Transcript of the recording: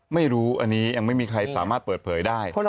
ไม่รู้อันนี้ยังไม่มีใครสามารถเปิดเผยได้